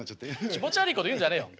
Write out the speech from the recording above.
気持ち悪いこと言うんじゃねえよ。